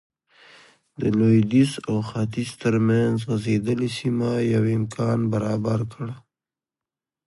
د لوېدیځ او ختیځ ترمنځ غځېدلې سیمه یو امکان برابر کړ.